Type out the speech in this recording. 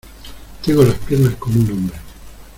tengo las piernas como un hombre.